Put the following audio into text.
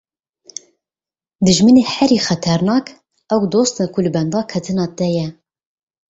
Dijminê herî xeternak, ew dost e ku li benda ketina te ye.